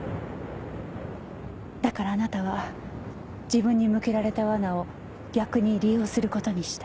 だからあなたは自分に向けられた罠を逆に利用することにした。